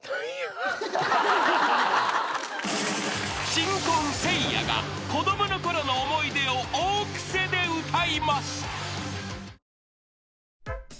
［新婚せいやが子供のころの思い出を大クセで歌います］